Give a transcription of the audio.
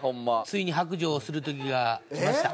ついに白状する時が来ました